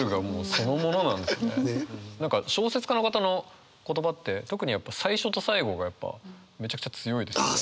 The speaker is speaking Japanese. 何か小説家の方の言葉って特に最初と最後がやっぱめちゃくちゃ強いですよね。